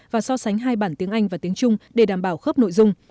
và so sánh hai bản tiếng anh và tiếng trung để đảm bảo khớp nội dung